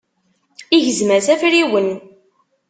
Igzem-as afriwen.